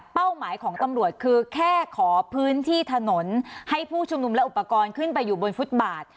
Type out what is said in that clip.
หมายของตำรวจคือแค่ขอพื้นที่ถนนให้ผู้ชุมนุมและอุปกรณ์ขึ้นไปอยู่บนฟุตบาท